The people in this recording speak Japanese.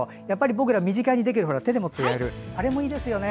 僕ら、身近にできる手に持ってできる花火もいいですよね。